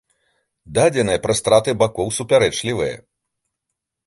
Дадзеныя пра страты бакоў супярэчлівыя.